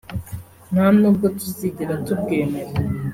nta n’ubwo tuzigera tubwemera